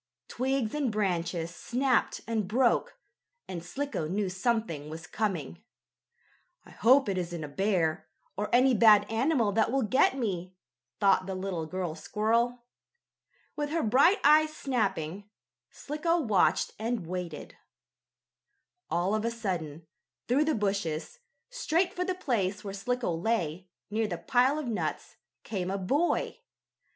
Twigs and branches snapped and broke, and Slicko knew something was coming. "I hope it isn't a bear, or any bad animal that will get me," thought the little girl squirrel. With her bright eyes snapping, Slicko watched and waited. All of a sudden, through the bushes, straight for the place where Slicko lay, near the pile of nuts, came a boy.